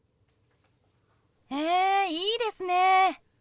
へえいいですね。